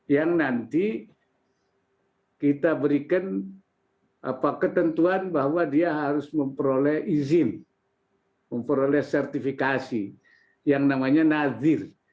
yang nanti kita berikan ketentuan bahwa dia harus memperoleh izin memperoleh sertifikasi yang namanya nazir